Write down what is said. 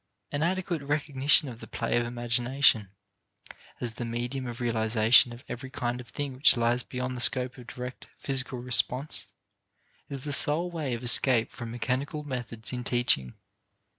An adequate recognition of the play of imagination as the medium of realization of every kind of thing which lies beyond the scope of direct physical response is the sole way of escape from mechanical methods in teaching.